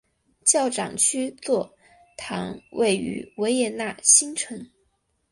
教长区座堂位于维也纳新城。